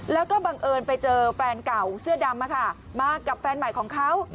แล้วก็บังเอิญไปเจอแฟนเก่าเสื้อดำมากับแฟนใหม่ของเขา